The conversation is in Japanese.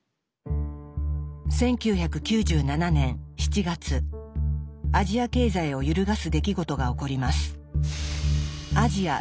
１９９７年７月アジア経済を揺るがす出来事が起こります。